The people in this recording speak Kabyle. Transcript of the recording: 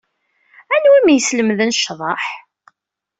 Anwa ay am-yeslemden ccḍeḥ?